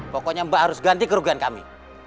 pokoknya mbak harus ganti kerugian kami